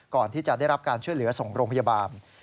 ก่อนที่จะได้รับการช่วยเหลือส่งโรงพยาบาล